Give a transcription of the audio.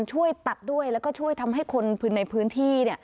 ช่วยตัดด้วยแล้วก็ช่วยทำให้คนในพื้นที่